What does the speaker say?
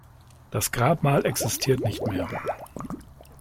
Das Grabmal existiert nicht mehr.